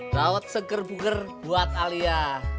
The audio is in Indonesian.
daot seger buker buat alia